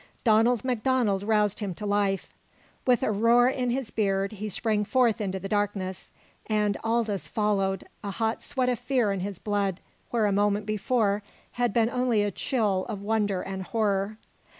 Donald MacDonald roused him to life. With a roar in his beard, he sprang forth into the darkness. And Aldous followed, a hot sweat of fear in his blood where a moment before had been only a chill of wonder and horror.